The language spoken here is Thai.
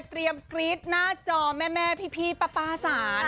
เตรียมกรี๊ดหน้าจอแม่พี่ป๊าจ๋า